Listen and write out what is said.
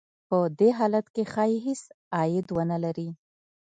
په دې حالت کې ښايي هېڅ عاید ونه لري